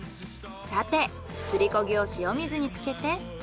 さてすりこぎを塩水につけて。